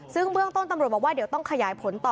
ซึ่งเบื้องต้นตำรวจบอกว่าเดี๋ยวต้องขยายผลต่อ